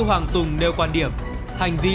hoàng tùng nêu quan điểm hành vi